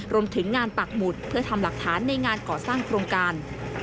รวมถึงงานปักหมุดเพื่อทำหลักฐานในงานก่อสร้างโครงการ